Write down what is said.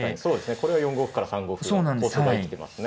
これは４五歩から３五歩が生きてますね。